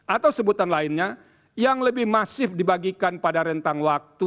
atau sebutan lainnya yang lebih masif dibagikan pada rentang waktu